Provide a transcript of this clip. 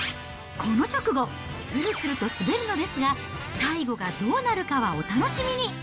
この直後、つるつると滑るのですが、最後がどうなるかはお楽しみに。